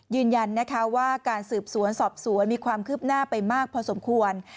ยืนยันนะคะว่าการสืบสวนสอบสวนมีความคืบหน้าไปมากพอสมควร